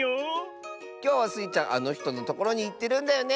きょうはスイちゃんあのひとのところにいってるんだよね！